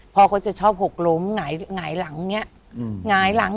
พอเขาจะชอบหกล้มเนี่ยหงายหลัง